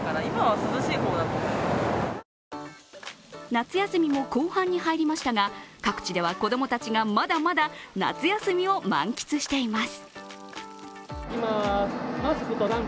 夏休みも後半に入りましたが、各地では子供たちがまだまだ夏休みを満喫しています。